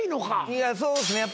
いやそうっすね。